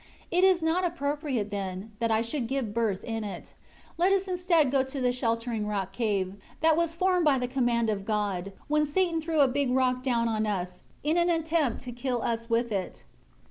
It is not appropriate then, that I should give birth in it. Let us instead go to the sheltering rock cave that was formed by the command of God when Satan threw a big rock down on us in an attempt to kill us with it.